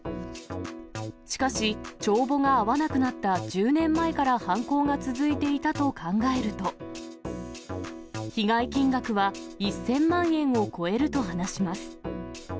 しかし、帳簿が合わなくなった、１０年前から犯行が続いていたと考えると、被害金額は１０００万円を超えると話します。